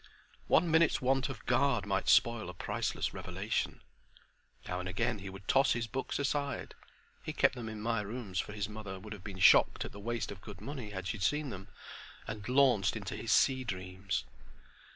One minute's want of guard might spoil a priceless revelation: now and again he would toss his books aside—he kept them in my rooms, for his mother would have been shocked at the waste of good money had she seen them—and launched into his sea dreams.